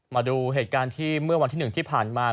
มาดูเหตุการณ์ที่เมื่อวันที่๑ที่ผ่านมา